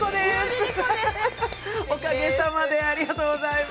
おかげさまでありがとうございます。